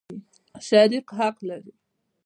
شریک حق لري.